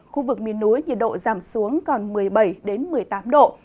khu vực miền núi nhiệt độ giảm xuống còn một mươi bảy một mươi tám độ